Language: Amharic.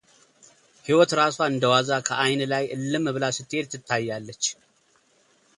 ሕይወት ራሷ እንደዋዛ ከዐይን ላይ እልም ብላ ስትሄድ ትታያለች።